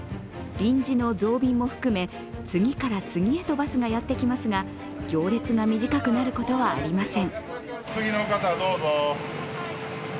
臨時の増便も含め、次から次へとバスがやってきますが行列が短くなることはありません。